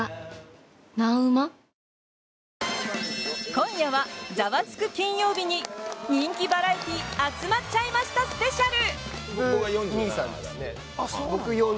今夜は「ザワつく！金曜日」に人気バラエティー集まっちゃいましたスペシャル。